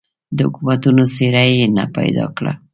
د حکومتونو څېره یې نه پیدا کړه.